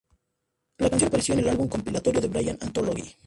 La canción apareció en el álbum compilatorio de Bryan: "Anthology".